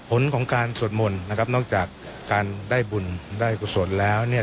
ผลของการสวดมนต์นะครับนอกจากการได้บุญได้กุศลแล้วเนี่ย